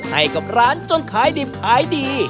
ให้กับร้านจนขายดิบขายดี